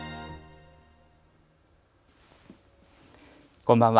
こんばんは。